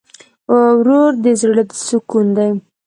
ورور د زړه سکون دی.